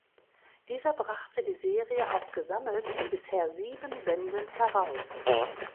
Dieser brachte die Serie auch gesammelt in bisher sieben Bänden heraus.